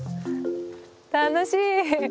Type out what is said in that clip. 楽しい！